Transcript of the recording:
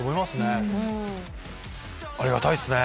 ありがたいっすね。